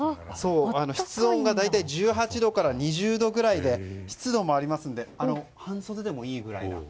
室温が大体１８度から２０度ぐらいで湿度もありますので半袖でもいいくらいで。